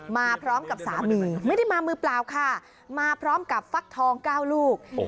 มาพร้อมกับสามีไม่ได้มามือเปล่าค่ะมาพร้อมกับฟักทองเก้าลูก